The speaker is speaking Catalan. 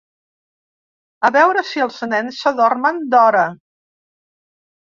A veure si els nens s'adormen d'hora.